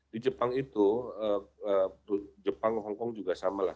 di jepang itu jepang hongkong juga samalah